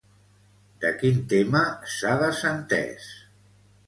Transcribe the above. De quin tema s'ha desentès?